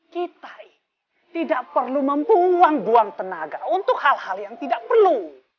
kita tidak perlu membuang buang tenaga untuk hal hal yang tidak perlu